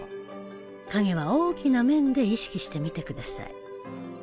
影は大きな面で意識して見てください。